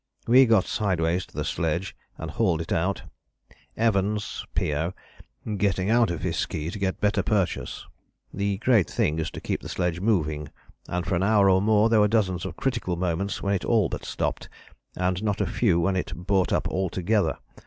We got sideways to the sledge and hauled it out, Evans (P.O.) getting out of his ski to get better purchase. The great thing is to keep the sledge moving, and for an hour or more there were dozens of critical moments when it all but stopped, and not a few when it brought up altogether.